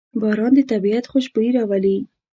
باران د طبیعت خوشبويي راولي.